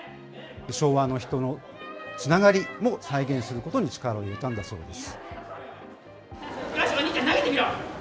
昭和の人のつながりも、再現することに力を入れたんだそうです。